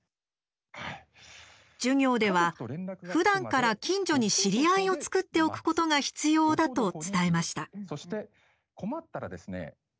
授業では、ふだんから近所に知り合いを作っておくことが必要だと伝えました。